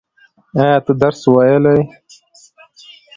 ایا ته درس ویلی؟